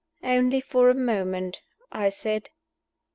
"Only for a moment," I said.